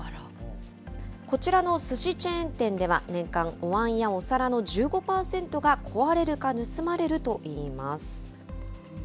こちらのすしチェーン店では、年間、おわんやお皿の１５％が、壊れるか盗まれるといいます。